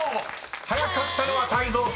早かったのは泰造さん］